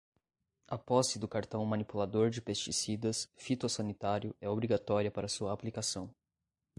A posse do cartão manipulador de pesticidas fitossanitário é obrigatória para a sua aplicação.